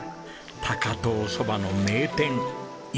高遠そばの名店壱刻。